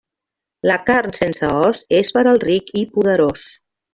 La carn sense os, és per al ric i poderós.